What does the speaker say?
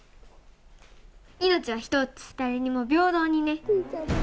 命は一つ、誰にも平等にね。